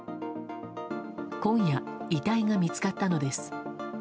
今夜、遺体が見つかったのです。